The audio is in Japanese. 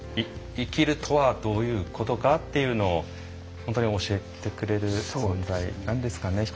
生きるとはどういうことかというのを本当に教えてくれる存在なんですかね。